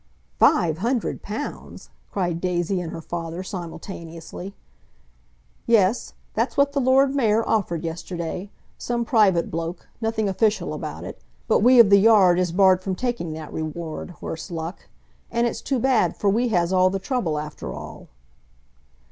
"Five hundred pounds!" cried Daisy and her father simultaneously. "Yes. That's what the Lord Mayor offered yesterday. Some private bloke—nothing official about it. But we of the Yard is barred from taking that reward, worse luck. And it's too bad, for we has all the trouble, after all."